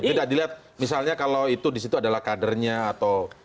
tidak dilihat misalnya kalau itu disitu adalah kadernya atau